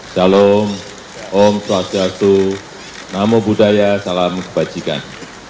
salam om swastiastu namo buddhaya salam kebajikan